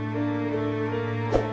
ceng eh tunggu